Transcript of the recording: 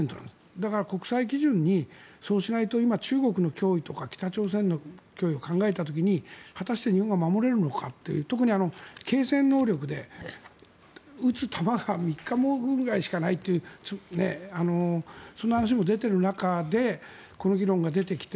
だから国際基準にそうしないと今、中国の脅威とか北朝鮮の脅威を考えた時に果たして日本が守れるのかという特に継戦能力で、撃つ弾が３日分ぐらいしかないというそんな話も出ている中でこの議論が出てきて。